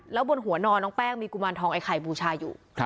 แล้วบนหัวนอนน้องแป้งมีกุมารทองไอ้ไข่บูชาอยู่